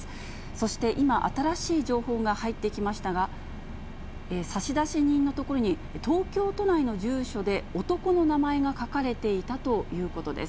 そして今、新しい情報が入ってきましたが、差出人の所に東京都内の住所で男の名前が書かれていたということです。